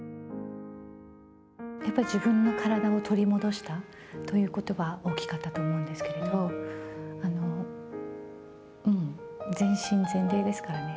やっぱり自分の体を取り戻したということは大きかったとは思うんですけれども、全身全霊ですからね。